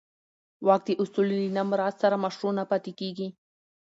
واک د اصولو له نه مراعت سره مشروع نه پاتې کېږي.